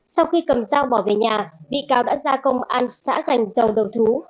sau khi cầm dao bỏ về nhà bị cáo đã ra công an xã gành dầu đầu thú